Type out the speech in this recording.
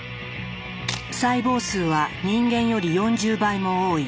細胞数は人間より４０倍も多い。